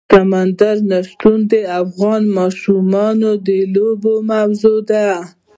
سمندر نه شتون د افغان ماشومانو د لوبو موضوع ده.